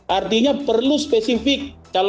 artinya perlu spesifik